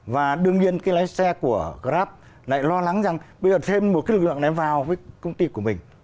và đương nhiên cái lái xe của grab lại lo lắng rằng bây giờ thêm một cái lực lượng này vào với công ty của mình